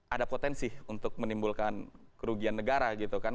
ada potensi untuk menimbulkan kerugian negara gitu kan